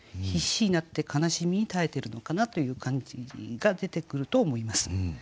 必死になって悲しみに耐えてるのかなという感じが出てくると思います。